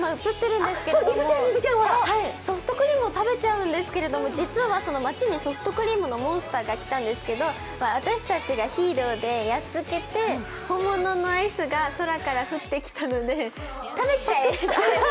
ソフトクリームを食べちゃうんですけど、実は街にソフトクリームのモンスターが来たんですけど、私たちがヒーローでやっつけて本物のアイスが空から降ってきたので、食べちゃえみたいな。